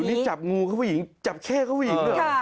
เดี๋ยวนี้จับงูเข้าผู้หญิงจับแค่เข้าผู้หญิงเหรอ